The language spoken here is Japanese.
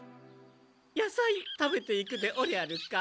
野さい食べていくでおりゃるか？